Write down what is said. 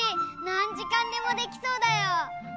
なんじかんでもできそうだよ。